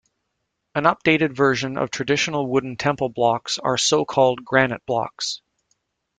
An updated version of traditional wooden temple blocks are so-called granite blocks.